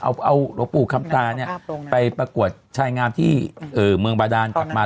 เอาหลวงปู่คำตาเนี่ยไปประกวดชายงามที่เมืองบาดานกลับมา